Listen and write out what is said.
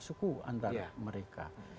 suku antara mereka